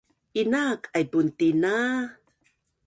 Inaak aipun tina